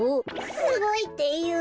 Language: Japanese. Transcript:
すごいっていうか。